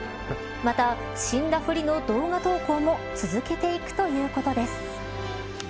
また死んだふりの動画投稿も続けていくということです。